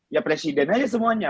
ya presiden aja semuanya